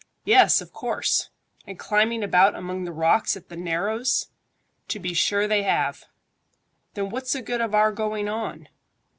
"Yes, of course." "And climbing about among the rocks at the narrows?" "To be sure they have." "Then what's the good of our going on?"